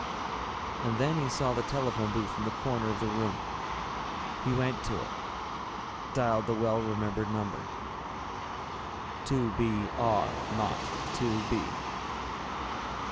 And then he saw the telephone booth in the corner of the room. He went to it, dialed the well remembered number: "2 B R 0 2 B."